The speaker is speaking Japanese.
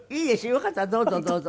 よかったらどうぞどうぞ。